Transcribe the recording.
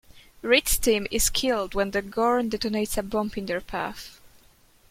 Reed's team is killed when the Gorn detonates a bomb in their path.